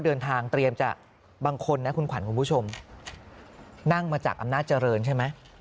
เดินทางเตรียมจะบางคนนะคุณขวัญคุณผู้ชมนั่งมาจากอำนาจเจริญใช่ไหม